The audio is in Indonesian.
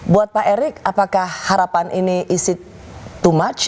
buat pak erick apakah harapan ini is it to much